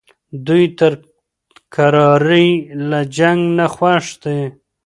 دوی تر کرارۍ له جنګ نه خوښ دي.